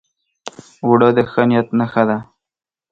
اوړه د ښه نیت نښه ده